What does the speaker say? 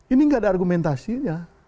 ini tidak ada argumentasinya